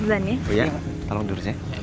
tolong durus ya